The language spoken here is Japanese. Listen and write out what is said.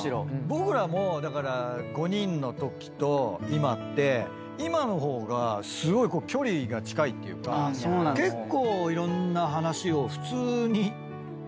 僕らもだから５人のときと今って今の方がすごい距離が近いっていうか結構いろんな話を普通にするようになった。